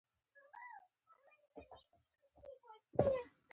د سحر وخت د دعا قبلېدو وخت دی.